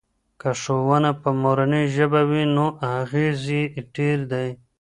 که ښوونه په مورنۍ ژبه وي نو اغیز یې ډیر دی.